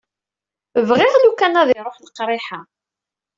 Bɣiɣ lukan ad iruḥ leqriḥ-a.